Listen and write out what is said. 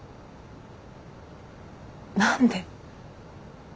何で？